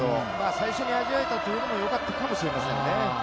最初に味わえたというのもよかったかもしれませんね。